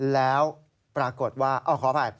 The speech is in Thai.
แล้วปรากฏว่าขออภัย